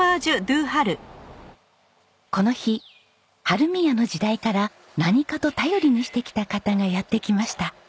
この日春見屋の時代から何かと頼りにしてきた方がやって来ました。